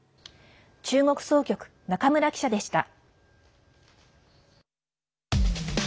中国総局、中村記者でした。